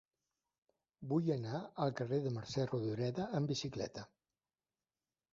Vull anar al carrer de Mercè Rodoreda amb bicicleta.